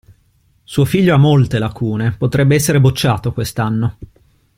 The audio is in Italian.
Suo figlio ha molte lacune, potrebbe essere bocciato quest'anno.